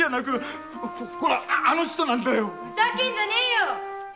ふざけんじゃねえよ！